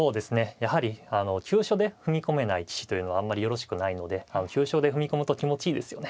やはりあの急所で踏み込めない棋士というのはあんまりよろしくないので急所で踏み込むと気持ちいいですよね。